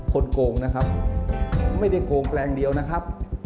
โกงนะครับไม่ได้โกงแปลงเดียวนะครับ